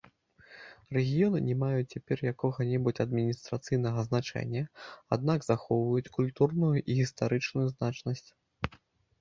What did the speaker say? Рэгіёны не маюць цяпер якога-небудзь адміністрацыйнага значэння, аднак захоўваюць культурную і гістарычную значнасць.